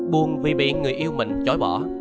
buồn vì bị người yêu mình chói bỏ